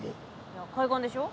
いや海岸でしょ。